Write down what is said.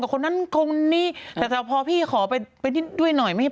เดี๋ยวนะตกลงสรุปพี่หนุ่มมันครบแล้วถูกไหม